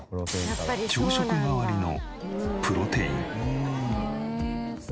朝食代わりのプロテイン。